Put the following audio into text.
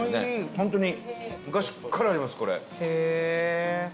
本当に昔からありますこれ。